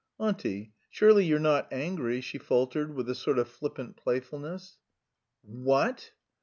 "Auntie, surely you're not angry?" she faltered with a sort of flippant playfulness. "Wh a a t?"